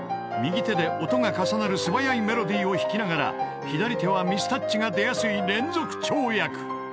［右手で音が重なる素早いメロディーを弾きながら左手はミスタッチが出やすい連続跳躍］